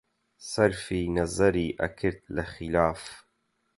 سەرفی نەزەری ئەکرد لە خیلاف